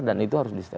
dan itu harus